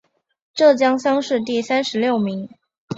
浙江乡试第三十六名。